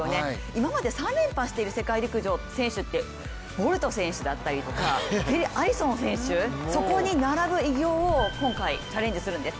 今まで３連覇している世界陸上の選手ってボルト選手だったりとかアリソン選手、そこに並ぶ偉業を今回チャレンジするんです。